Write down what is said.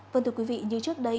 vâng thưa quý vị như trước đây